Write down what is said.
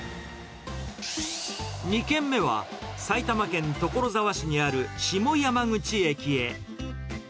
２軒目は、埼玉県所沢市にある下山口駅へ。